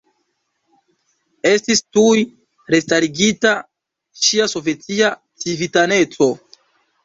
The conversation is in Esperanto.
Estis tuj restarigita ŝia sovetia civitaneco.